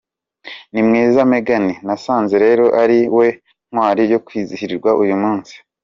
Nimwiza Meghan, nasanze rero ari we ntwari yo kwizihirwa uyu munsi.